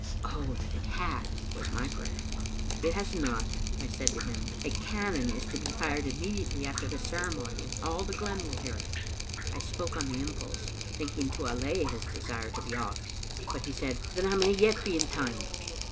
"Oh, that it had!" was my prayer. "It has not," I said to him. "A cannon is to be fired immediately after the ceremony, and all the glen will hear it." I spoke on the impulse, thinking to allay his desire to be off; but he said, "Then I may yet be in time."